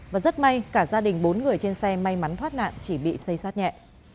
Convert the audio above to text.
và rất may cả gia đình bốn người trên xe may mắn thoát nạn chỉ bị xây sát nhẹ